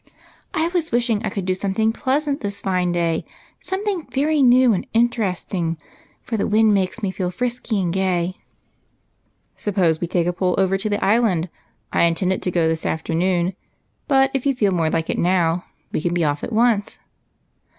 " I was wishing I could do something pleasant this fine day ; something very new and interesting, for the wind makes me feel frisky and gay." 96 EIGHT COUSINS. " Suppose we take a pull over to the Island ? I intended to go this afternoon; but if you feel more like it now, we can be off at once."